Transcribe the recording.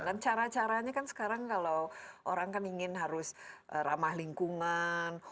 dan cara caranya kan sekarang kalau orang ingin harus ramah lingkungan